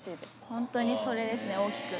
本当にそれですね、大きく。